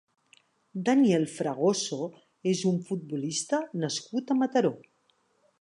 Daniel Fragoso és un futbolista nascut a Mataró.